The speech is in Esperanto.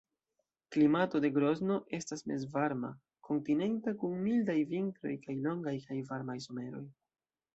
Klimato de Grozno estas mezvarma kontinenta kun mildaj vintroj kaj longaj kaj varmaj someroj.